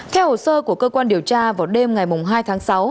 theo hồ sơ của cơ quan điều tra vào đêm ngày hai tháng sáu